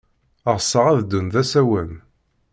Ɣseɣ ad ddun d asawen.